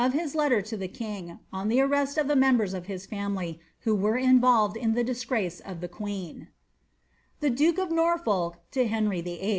32 1 his letter to the king, on the arrest of the membem of his family, who were iiiTolved in the disgrace of the queen :— «The DvKB of NoMTOLK to Hkvbt ym.